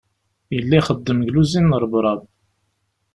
Yella ixeddem deg luzin n Rebrab.